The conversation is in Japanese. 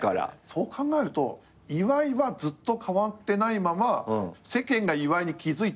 そう考えると岩井はずっと変わってないまま世間が岩井に気付いていった感じだね。